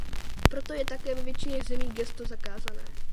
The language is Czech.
Proto je také ve většině zemí gesto zakázané.